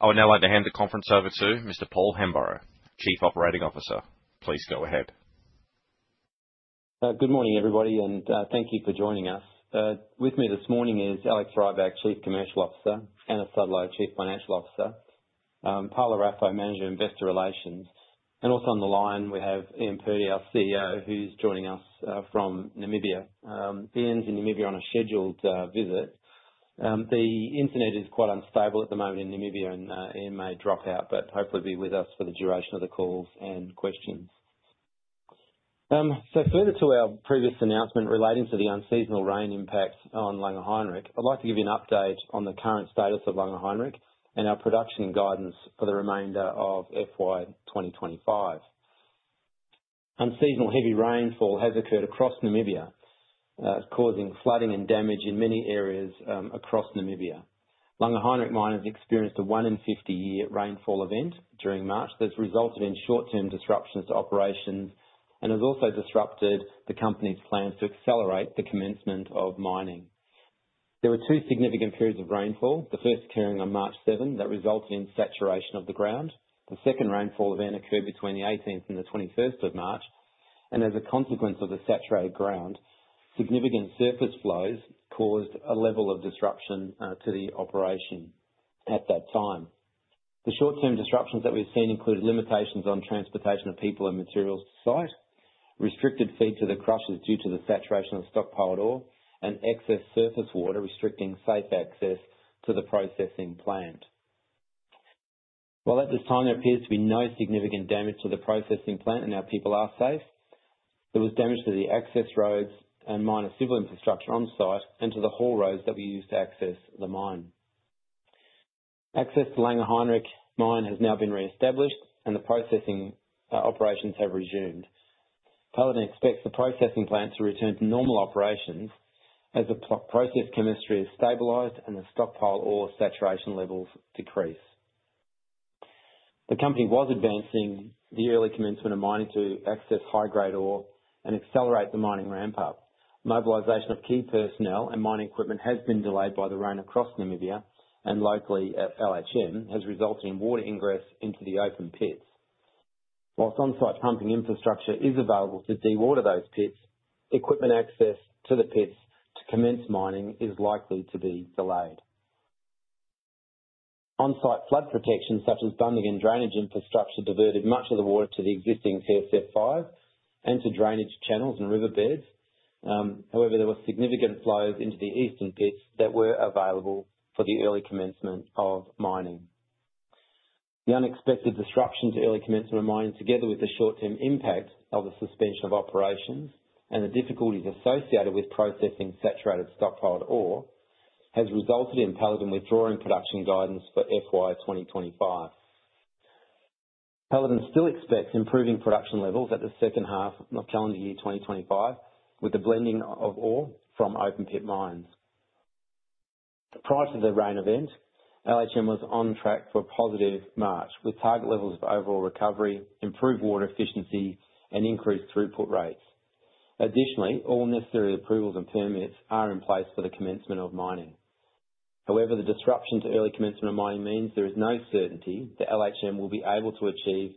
I would now like to hand the conference over to Mr. Paul Hemburrow, Chief Operating Officer. Please go ahead. Good morning, everybody, and thank you for joining us. With me this morning is Alex Rybak, Chief Commercial Officer; Anna Sudlow, Chief Financial Officer; Paula Raffo, Manager of Investor Relations. Also on the line, we have Ian Purdy, our CEO, who's joining us from Namibia. Ian's in Namibia on a scheduled visit. The internet is quite unstable at the moment in Namibia, and Ian may drop out, but hopefully be with us for the duration of the calls and questions. Further to our previous announcement relating to the unseasonal rain impact on Langer Heinrich, I'd like to give you an update on the current status of Langer Heinrich and our production guidance for the remainder of FY 2025. Unseasonal heavy rainfall has occurred across Namibia, causing flooding and damage in many areas across Namibia. Heinrich Mine has experienced a 1 in 50 year rainfall event during March that has resulted in short-term disruptions to operations and has also disrupted the company's plans to accelerate the commencement of mining. There were two significant periods of rainfall, the first occurring on March 7 that resulted in saturation of the ground. The second rainfall event occurred between the 18th and the 21st of March, and as a consequence of the saturated ground, significant surface flows caused a level of disruption to the operation at that time. The short-term disruptions that we've seen included limitations on transportation of people and materials to site, restricted feed to the crushers due to the saturation of stockpiled ore, and excess surface water restricting safe access to the processing plant. While at this time there appears to be no significant damage to the processing plant and our people are safe, there was damage to the access roads and minor civil infrastructure on site and to the haul roads that we use to access the mine. Access to Langer Heinrich Mine has now been reestablished, and the processing operations have resumed. Paladin expects the processing plant to return to normal operations as the process chemistry is stabilized and the stockpiled ore saturation levels decrease. The company was advancing the early commencement of mining to access high-grade ore and accelerate the mining ramp-up. Mobilization of key personnel and mining equipment has been delayed by the rain across Namibia and locally at Langer Heinrich Mine has resulted in water ingress into the open pits. Whilst on-site pumping infrastructure is available to dewater those pits, equipment access to the pits to commence mining is likely to be delayed. On-site flood protection, such as bunding and drainage infrastructure, diverted much of the water to the existing TSF 5 and to drainage channels and riverbeds. However, there were significant flows into the eastern pits that were available for the early commencement of mining. The unexpected disruption to early commencement of mining, together with the short-term impact of the suspension of operations and the difficulties associated with processing saturated stockpiled ore, has resulted in Paladin withdrawing production guidance for FY 2025. Paladin still expects improving production levels at the second half of calendar year 2025 with the blending of ore from open pit mines. Prior to the rain event, Langer Heinrich Mine was on track for a positive March, with target levels of overall recovery, improved water efficiency, and increased throughput rates. Additionally, all necessary approvals and permits are in place for the commencement of mining. However, the disruption to early commencement of mining means there is no certainty that Langer Heinrich Mine will be able to achieve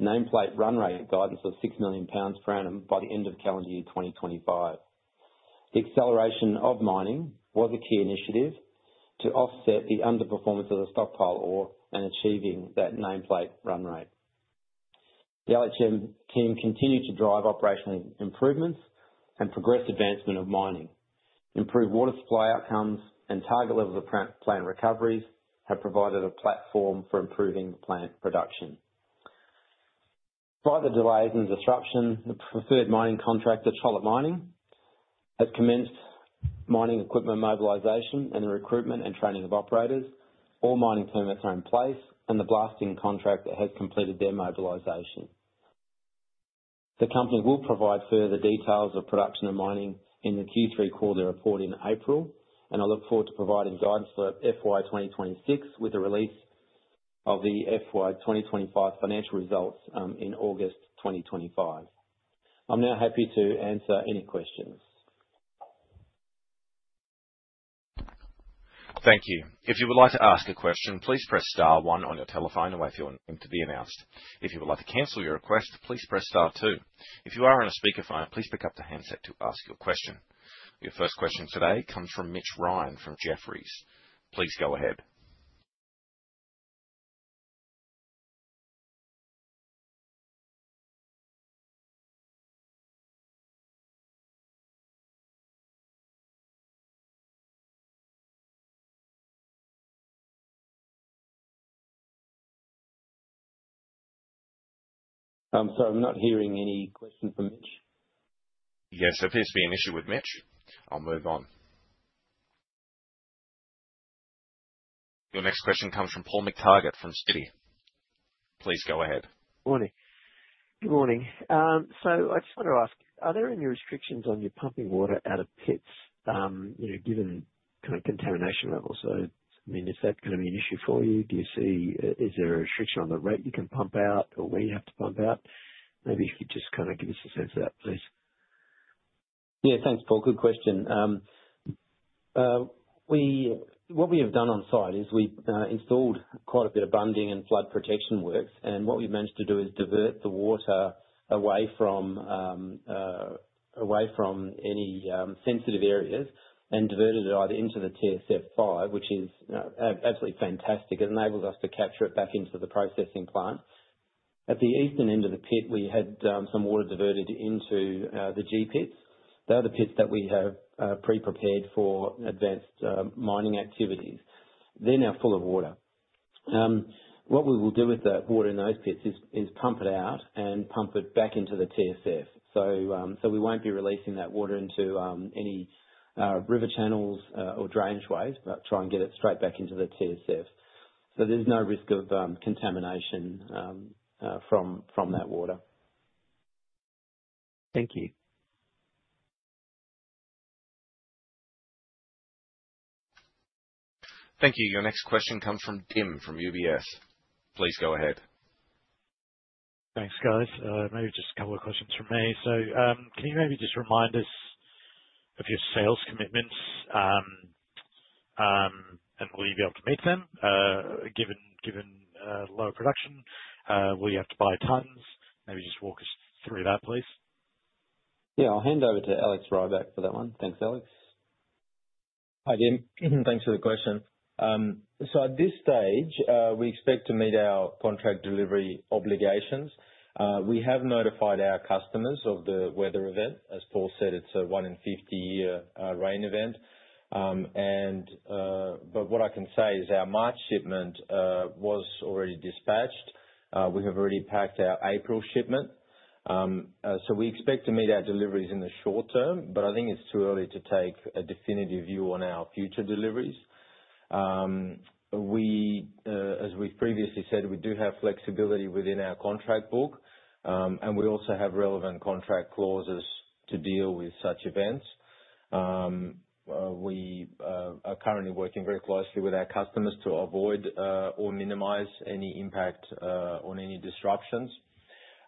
nameplate run rate guidance of 6 million pounds per annum by the end of calendar year 2025. The acceleration of mining was a key initiative to offset the underperformance of the stockpiled ore and achieving that nameplate run rate. The Langer Heinrich Mine team continued to drive operational improvements and progressive advancement of mining. Improved water supply outcomes and target levels of plant recoveries have provided a platform for improving plant production. Despite the delays and disruption, the preferred mining contractor, Trollope Mining, has commenced mining equipment mobilization and the recruitment and training of operators. All mining permits are in place, and the blasting contractor has completed their mobilization. The company will provide further details of production and mining in the Q3 quarterly report in April, and I look forward to providing guidance for FY 2026 with the release of the FY 2025 financial results in August 2025. I'm now happy to answer any questions. Thank you. If you would like to ask a question, please press star one on your telephone or wait for your name to be announced. If you would like to cancel your request, please press star two. If you are on a speakerphone, please pick up the handset to ask your question. Your first question today comes from Mitch Ryan from Jefferies. Please go ahead. I'm sorry, I'm not hearing any questions from Mitch. Yes, there appears to be an issue with Mitch. I'll move on. Your next question comes from Paul McTaggart from Citi. Please go ahead. Good morning. I just want to ask, are there any restrictions on your pumping water out of pits given kind of contamination levels? I mean, is that going to be an issue for you? Do you see is there a restriction on the rate you can pump out or where you have to pump out? Maybe if you could just kind of give us a sense of that, please. Yeah, thanks, Paul. Good question. What we have done on site is we installed quite a bit of bunding and flood protection works, and what we've managed to do is divert the water away from any sensitive areas and diverted it either into the TSF 5, which is absolutely fantastic. It enables us to capture it back into the processing plant. At the eastern end of the pit, we had some water diverted into the G-pits. The other pits that we have pre-prepared for advanced mining activities, they're now full of water. What we will do with the water in those pits is pump it out and pump it back into the TSF. We won't be releasing that water into any river channels or drainage ways, but try and get it straight back into the TSF. There's no risk of contamination from that water. Thank you. Thank you. Your next question comes from Dim from UBS. Please go ahead. Thanks, guys. Maybe just a couple of questions from me. Can you maybe just remind us of your sales commitments and will you be able to meet them given low production? Will you have to buy tons? Maybe just walk us through that, please. Yeah, I'll hand over to Alex Rybak for that one. Thanks, Alex. Hi, Dim. Thanks for the question. At this stage, we expect to meet our contract delivery obligations. We have notified our customers of the weather event. As Paul said, it's a 1 in 50 year rain event. What I can say is our March shipment was already dispatched. We have already packed our April shipment. We expect to meet our deliveries in the short term, but I think it's too early to take a definitive view on our future deliveries. As we've previously said, we do have flexibility within our contract book, and we also have relevant contract clauses to deal with such events. We are currently working very closely with our customers to avoid or minimize any impact on any disruptions.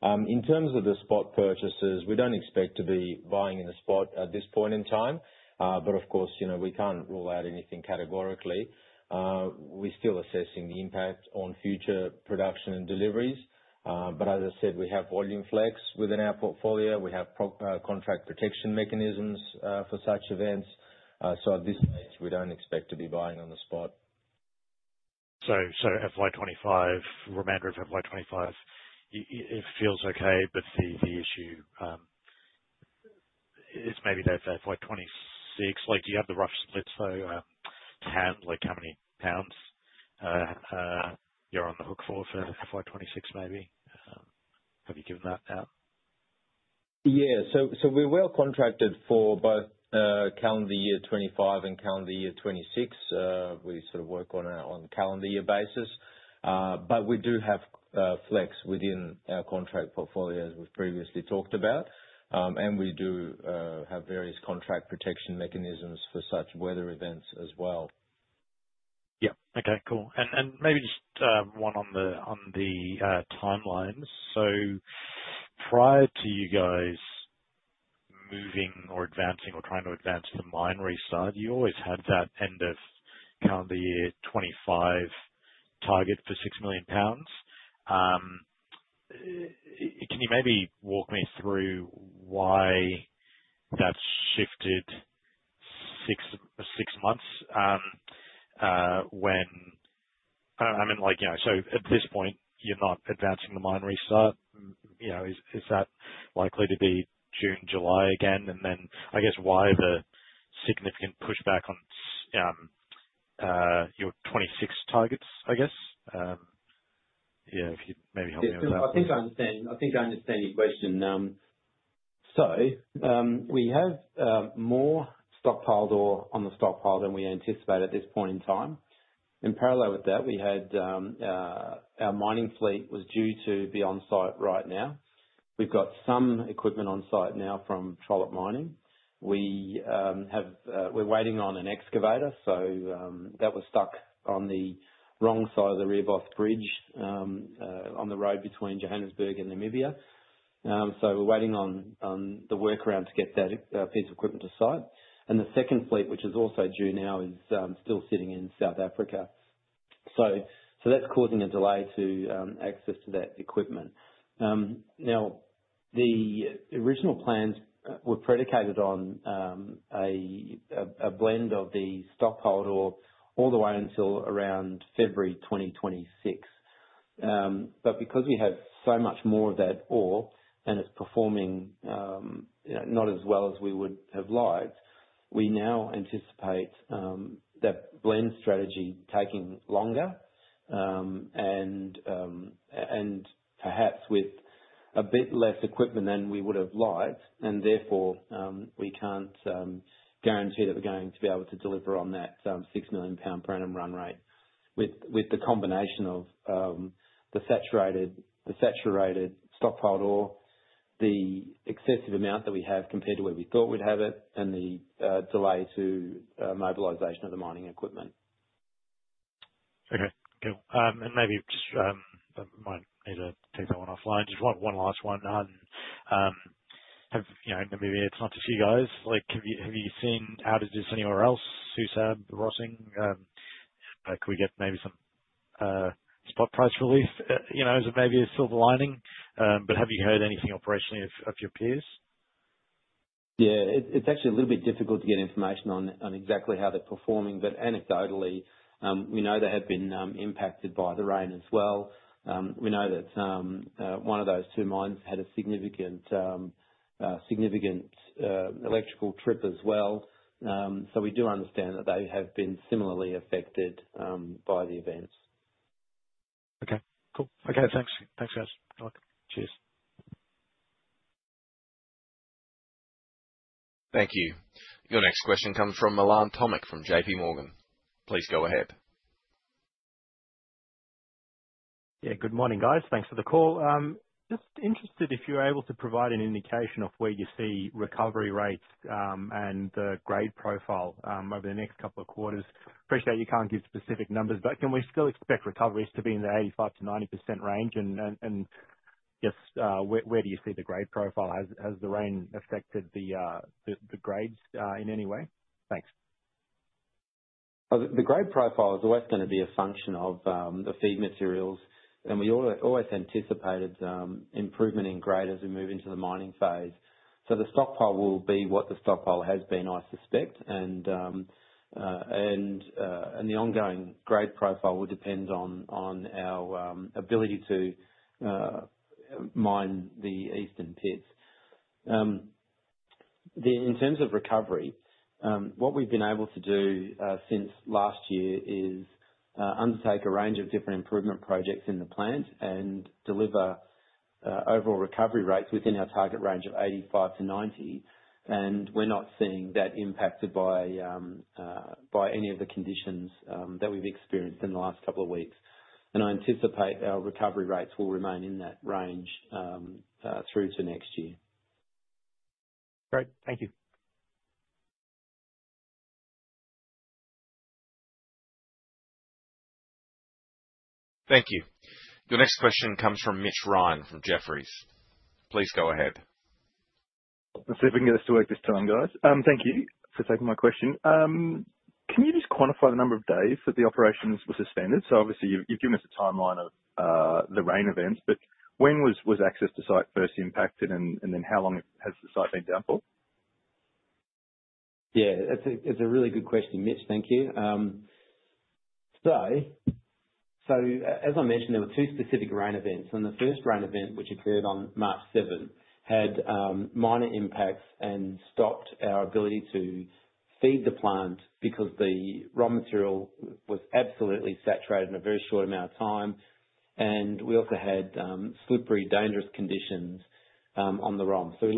In terms of the spot purchases, we do not expect to be buying in the spot at this point in time, but of course, we cannot rule out anything categorically. We are still assessing the impact on future production and deliveries, but as I said, we have volume flex within our portfolio. We have contract protection mechanisms for such events. At this stage, we do not expect to be buying on the spot. FY 25, remainder of FY 25, it feels okay, but the issue is maybe that FY 26, do you have the rough splits though? How many pounds you're on the hook for for FY 26 maybe? Have you given that out? Yeah. We are well contracted for both calendar year 2025 and calendar year 2026. We sort of work on a calendar year basis, but we do have flex within our contract portfolio, as we have previously talked about, and we do have various contract protection mechanisms for such weather events as well. Yeah. Okay. Cool. Maybe just one on the timelines. Prior to you guys moving or advancing or trying to advance the minery side, you always had that end of calendar year 2025 target for 6 million pounds. Can you maybe walk me through why that's shifted six months when, I mean, at this point, you're not advancing the mine restart. Is that likely to be June, July again? I guess why the significant pushback on your 2026 targets, I guess? Yeah, if you'd maybe help me with that. I think I understand. I think I understand your question. We have more stockpiled ore on the stockpile than we anticipate at this point in time. In parallel with that, our mining fleet was due to be on site right now. We've got some equipment on site now from Trollope Mining. We're waiting on an excavator, so that was stuck on the wrong side of the Rehoboth Bridge on the road between Johannesburg and Namibia. We're waiting on the workaround to get that piece of equipment to site. The second fleet, which is also due now, is still sitting in South Africa. That's causing a delay to access to that equipment. The original plans were predicated on a blend of the stockpiled ore all the way until around February 2026. Because we have so much more of that ore and it's performing not as well as we would have liked, we now anticipate that blend strategy taking longer and perhaps with a bit less equipment than we would have liked, and therefore we can't guarantee that we're going to be able to deliver on that 6 million pound per annum run rate with the combination of the saturated stockpiled ore, the excessive amount that we have compared to where we thought we'd have it, and the delay to mobilization of the mining equipment. Okay. Cool. Maybe just might need to take that one offline. Just one last one. Maybe it's not just you guys. Have you seen outages anywhere else? Husab, Rossing? Can we get maybe some spot price relief as maybe a silver lining? Have you heard anything operationally of your peers? Yeah. It's actually a little bit difficult to get information on exactly how they're performing, but anecdotally, we know they have been impacted by the rain as well. We know that one of those two mines had a significant electrical trip as well. We do understand that they have been similarly affected by the events. Okay. Cool. Okay. Thanks. Thanks, guys. Good luck. Cheers. Thank you. Your next question comes from Milan Tomic from JP Morgan. Please go ahead. Yeah. Good morning, guys. Thanks for the call. Just interested if you're able to provide an indication of where you see recovery rates and the grade profile over the next couple of quarters. Appreciate you can't give specific numbers, but can we still expect recoveries to be in the 85%-90% range? I guess, where do you see the grade profile? Has the rain affected the grades in any way? Thanks. The grade profile is always going to be a function of the feed materials, and we always anticipated improvement in grade as we move into the mining phase. The stockpile will be what the stockpile has been, I suspect, and the ongoing grade profile will depend on our ability to mine the eastern pits. In terms of recovery, what we've been able to do since last year is undertake a range of different improvement projects in the plant and deliver overall recovery rates within our target range of 85%-90%. We're not seeing that impacted by any of the conditions that we've experienced in the last couple of weeks. I anticipate our recovery rates will remain in that range through to next year. Great. Thank you. Thank you. Your next question comes from Mitch Ryan from Jefferies. Please go ahead. Let's see if we can get this to work this time, guys. Thank you for taking my question. Can you just quantify the number of days that the operations were suspended? Obviously, you've given us a timeline of the rain events, but when was access to site first impacted, and then how long has the site been down for? Yeah. It's a really good question, Mitch. Thank you. As I mentioned, there were two specific rain events. The first rain event, which occurred on March 7th, had minor impacts and stopped our ability to feed the plant because the raw material was absolutely saturated in a very short amount of time. We also had slippery, dangerous conditions on the rum. We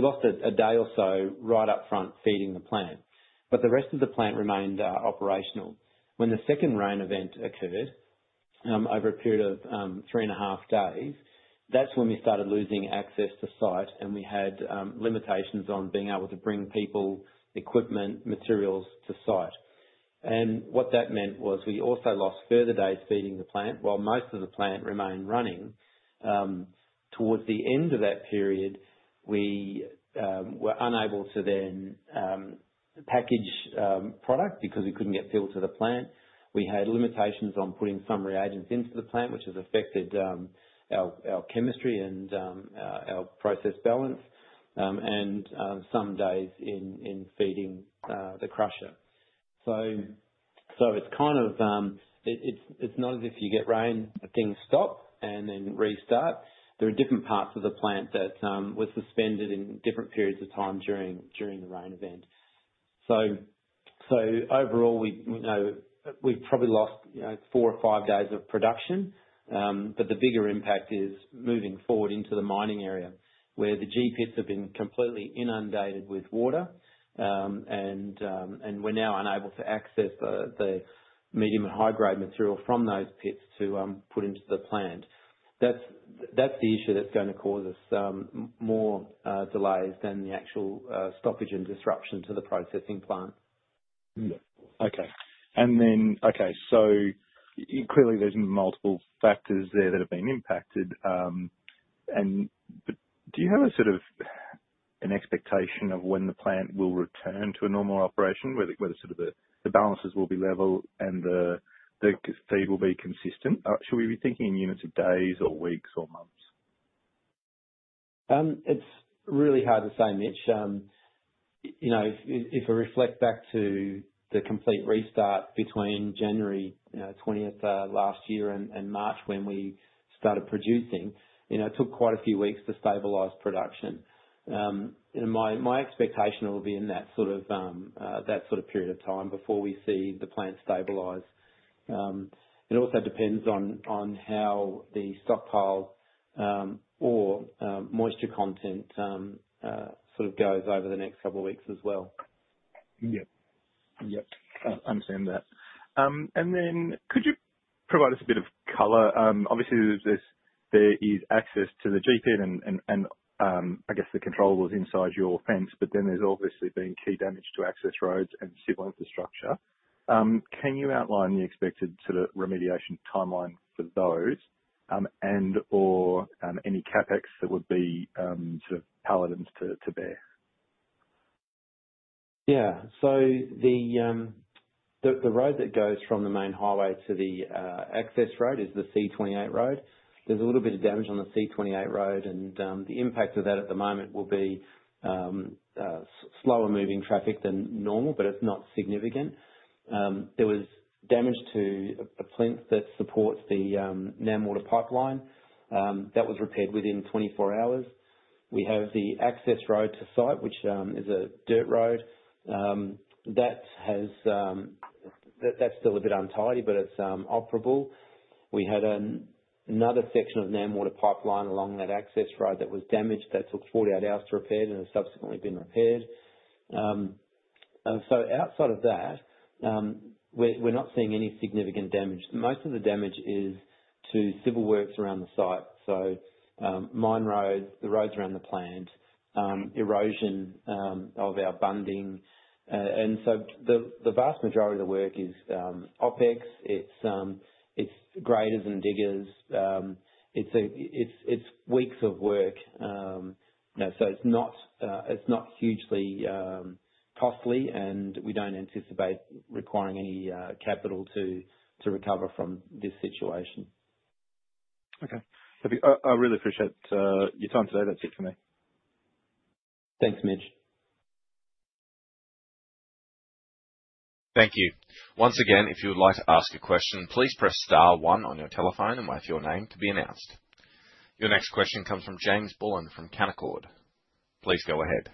lost a day or so right up front feeding the plant, but the rest of the plant remained operational. When the second rain event occurred over a period of three and a half days, that's when we started losing access to site, and we had limitations on being able to bring people, equipment, materials to site. What that meant was we also lost further days feeding the plant while most of the plant remained running. Towards the end of that period, we were unable to then package product because we couldn't get fuel to the plant. We had limitations on putting some reagents into the plant, which has affected our chemistry and our process balance, and some days in feeding the crusher. It's not as if you get rain, things stop and then restart. There are different parts of the plant that were suspended in different periods of time during the rain event. Overall, we probably lost four or five days of production, but the bigger impact is moving forward into the mining area where the G-pits have been completely inundated with water, and we're now unable to access the medium and high-grade material from those pits to put into the plant. That's the issue that's going to cause us more delays than the actual stoppage and disruption to the processing plant. Yeah. Okay. Okay. Clearly, there's multiple factors there that have been impacted. Do you have a sort of an expectation of when the plant will return to a normal operation, whether sort of the balances will be level and the feed will be consistent? Should we be thinking in units of days or weeks or months? It's really hard to say, Mitch. If I reflect back to the complete restart between January 20th last year and March when we started producing, it took quite a few weeks to stabilize production. My expectation will be in that sort of period of time before we see the plant stabilize. It also depends on how the stockpile or moisture content sort of goes over the next couple of weeks as well. Yeah. Yeah. I understand that. Could you provide us a bit of color? Obviously, there is access to the G-pit and I guess the controllable is inside your fence, but there has obviously been key damage to access roads and civil infrastructure. Can you outline the expected sort of remediation timeline for those and/or any CapEx that would be sort of Paladin's to bear? Yeah. The road that goes from the main highway to the access road is the C28 road. There's a little bit of damage on the C28 road, and the impact of that at the moment will be slower moving traffic than normal, but it's not significant. There was damage to a plinth that supports the NamWater pipeline. That was repaired within 24 hours. We have the access road to site, which is a dirt road. That's still a bit untidy, but it's operable. We had another section of NamWater pipeline along that access road that was damaged. That took 48 hours to repair and has subsequently been repaired. Outside of that, we're not seeing any significant damage. Most of the damage is to civil works around the site. Mine roads, the roads around the plant, erosion of our bunding. The vast majority of the work is OpEx. It's graders and diggers. It's weeks of work. It's not hugely costly, and we don't anticipate requiring any capital to recover from this situation. Okay. I really appreciate your time today. That's it for me. Thanks, Mitch. Thank you. Once again, if you would like to ask a question, please press star one on your telephone and wait for your name to be announced. Your next question comes from James Bullen from Canaccord. Please go ahead.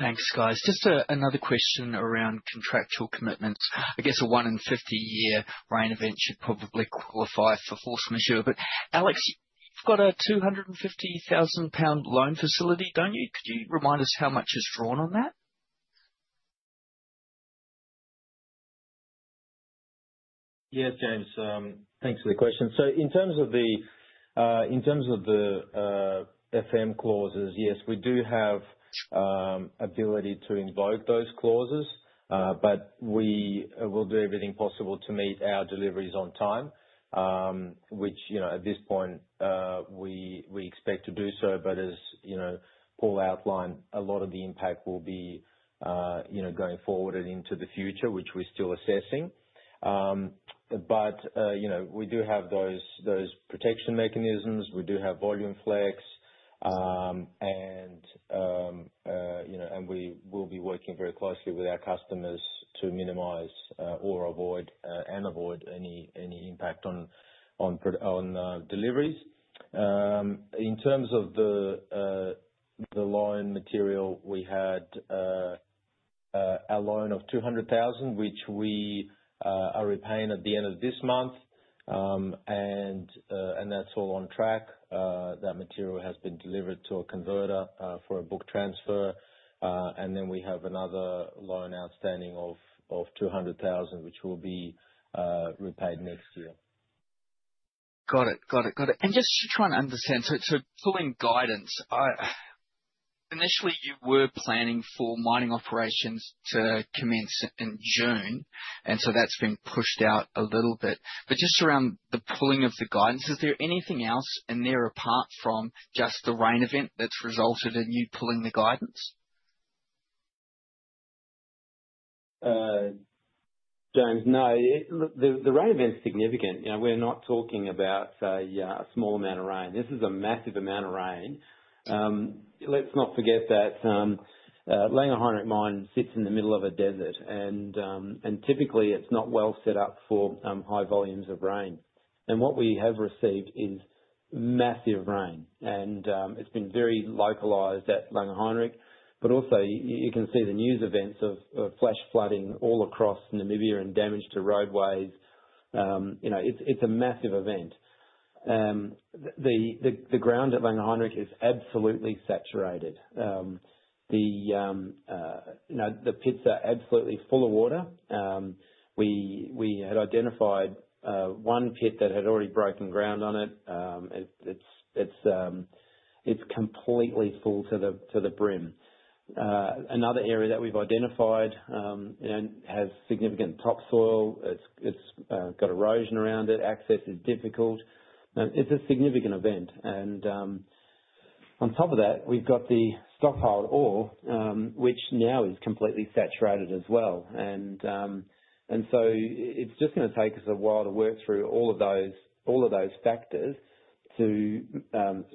Thanks, guys. Just another question around contractual commitments. I guess a one in 50 year rain event should probably qualify for force majeure. Alex, you've got a $250,000 loan facility, don't you? Could you remind us how much is drawn on that? Yes, James. Thanks for the question. In terms of the FM clauses, yes, we do have ability to invoke those clauses, but we will do everything possible to meet our deliveries on time, which at this point, we expect to do so. As Paul outlined, a lot of the impact will be going forward and into the future, which we're still assessing. We do have those protection mechanisms. We do have Volume Flex, and we will be working very closely with our customers to minimize or avoid any impact on deliveries. In terms of the loan material, we had a loan of 200,000, which we are repaying at the end of this month, and that's all on track. That material has been delivered to a converter for a book transfer. We have another loan outstanding of 200,000, which will be repaid next year. Got it. Got it. Got it. Just to try and understand, pulling guidance, initially, you were planning for mining operations to commence in June, and that's been pushed out a little bit. Just around the pulling of the guidance, is there anything else in there apart from just the rain event that's resulted in you pulling the guidance? James, no. The rain event's significant. We're not talking about a small amount of rain. This is a massive amount of rain. Let's not forget that Langer Heinrich Mine sits in the middle of a desert, and typically, it's not well set up for high volumes of rain. What we have received is massive rain, and it's been very localized at Langer Heinrich. You can see the news events of flash flooding all across Namibia and damage to roadways. It's a massive event. The ground at Langer Heinrich is absolutely saturated. The pits are absolutely full of water. We had identified one pit that had already broken ground on it. It's completely full to the brim. Another area that we've identified has significant topsoil. It's got erosion around it. Access is difficult. It's a significant event. On top of that, we've got the stockpiled ore, which now is completely saturated as well. It is just going to take us a while to work through all of those factors to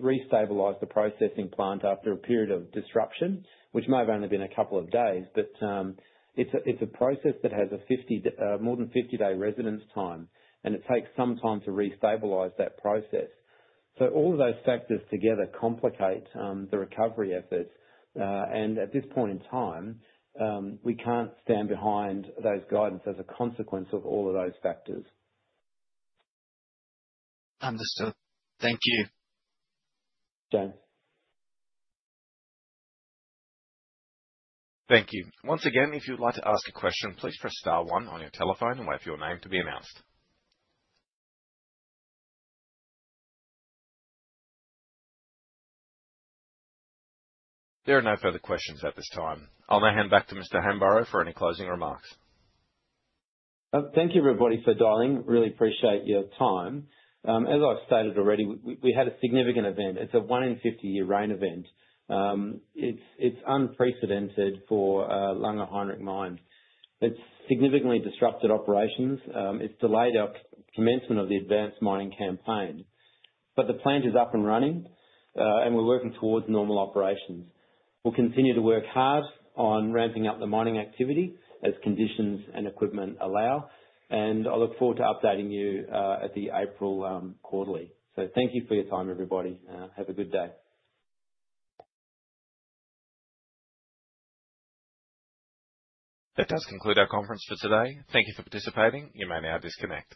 re-stabilize the processing plant after a period of disruption, which may have only been a couple of days. It is a process that has more than 50-day residence time, and it takes some time to re-stabilize that process. All of those factors together complicate the recovery efforts. At this point in time, we can't stand behind those guidance as a consequence of all of those factors. Understood. Thank you. James. Thank you. Once again, if you'd like to ask a question, please press star one on your telephone and wait for your name to be announced. There are no further questions at this time. I'll now hand back to Mr. Hemburrow for any closing remarks. Thank you, everybody, for dialing. Really appreciate your time. As I've stated already, we had a significant event. It's a one in 50 year rain event. It's unprecedented for Langer Heinrich Mine. It has significantly disrupted operations. It has delayed our commencement of the advanced mining campaign. The plant is up and running, and we're working towards normal operations. We will continue to work hard on ramping up the mining activity as conditions and equipment allow. I look forward to updating you at the April quarterly. Thank you for your time, everybody. Have a good day. That does conclude our conference for today. Thank you for participating. You may now disconnect.